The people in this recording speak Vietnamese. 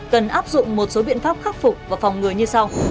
cần áp dụng một số biện pháp khắc phục và phòng ngừa như sau